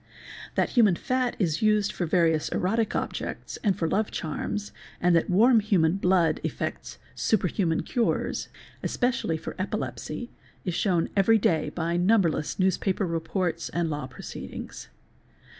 That human fat is used for various erotic objects and for love charms, and that warm human blood effects superhuman cures, especially for epilepsy, is shewn every day by numberless newspaper reports and f law proceedings ®®.